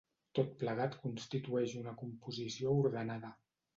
Tot plegat constitueix una composició ordenada.